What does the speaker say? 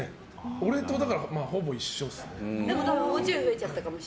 俺とほぼ一緒ですね。